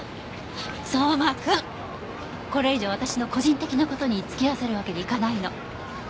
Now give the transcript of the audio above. これ以上私の個人的な事に付き合わせるわけにいかないの。